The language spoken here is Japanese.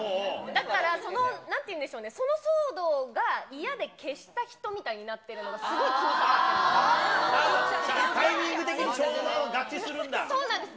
だから、なんでしょうね、その騒動が嫌で消した人みたいになってるのがすごい気になってるタイミング的にちょうど合致そうなんです。